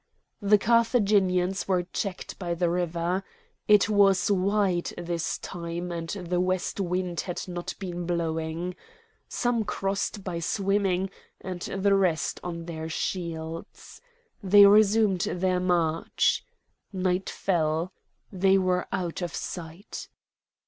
The Carthaginians were checked by the river. It was wide this time and the west wind had not been blowing. Some crossed by swimming, and the rest on their shields. They resumed their march. Night fell. They were out of sight.